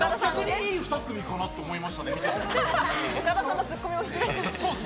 いい２組かなと思いました。